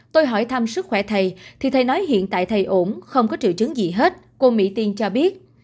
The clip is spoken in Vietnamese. tôi hỏi thăm sức khỏe thầy thì thầy nói hiện tại thầy ổn không có triệu chứng gì hết cô mỹ tiên cho biết